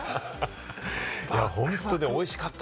本当においしかった。